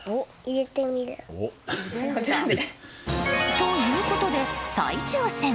ということで再挑戦。